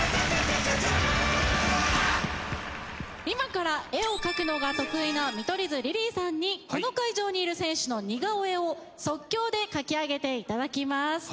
今から絵を描くのが得意な見取り図リリーさんにこの会場にいる選手の似顔絵を即興で描き上げて頂きます。